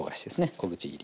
小口切り。